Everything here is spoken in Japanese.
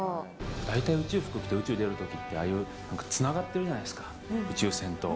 大体宇宙服着て宇宙出るときって、ああいう、つながってるじゃないですか、宇宙船と。